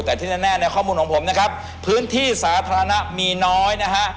แต่ที่แน่ในข้อมูลของผมนะครับพื้นที่สาธารณะมีน้อยนะฮะ